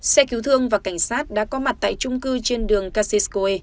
xe cứu thương và cảnh sát đã có mặt tại trung cư trên đường cassiscow